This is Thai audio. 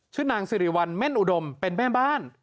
ชื่อนางสิริวัลเม่นอุดมเป็นแม่บ้าน